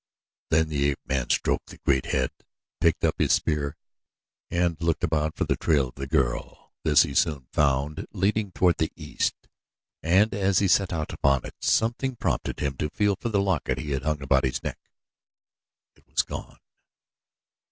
Then the ape man stroked the great head, picked up his spear, and looked about for the trail of the girl. This he soon found leading toward the east, and as he set out upon it something prompted him to feel for the locket he had hung about his neck. It was gone!